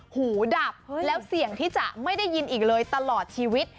หูดับแล้วเสี่ยงที่จะไม่ได้ยินอีกเลยตลอดชีวิต